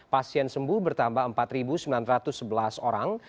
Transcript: pasien sembuh bertambah empat sembilan ratus sebelas orang